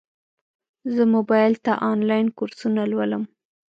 زه موبایل ته انلاین کورسونه لولم.